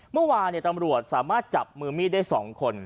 เมื่อวานตำรวจสามารถจับมือมีดได้๒คน